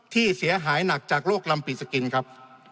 ที่เสียหายหนักจากโลกลำปีสกินครับ